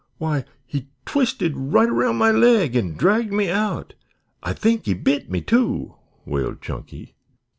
Why, he twisted right around my leg and dragged me out. I think he bit me, too," wailed Chunky.